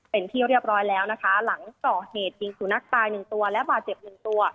เป็นที่เรียบร้อยแล้วนะคะหลังก่อเหตุยิงสุนัขตายหนึ่งตัวและบาดเจ็บหนึ่งตัว